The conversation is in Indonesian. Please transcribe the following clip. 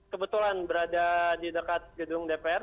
kebetulan berada di dekat gedung dpr